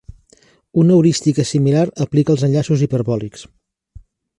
Una heurística similar aplica als enllaços hiperbòlics.